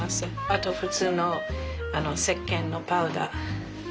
あと普通のせっけんのパウダー。